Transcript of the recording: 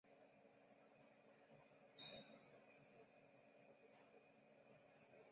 西藏自治区波密监狱是隶属于西藏自治区监狱管理局的监狱。